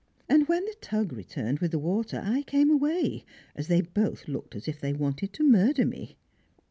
And when "the Tug" returned with the water I came away, as they both looked as if they wanted to murder me.